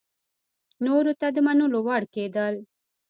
نورو ته د منلو وړ کېدل